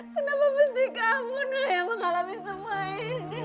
kenapa mesti kamu yang mengalami semua ini